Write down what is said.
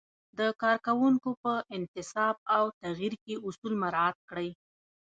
د کارکوونکو په انتصاب او تغیر کې اصول مراعت کړئ.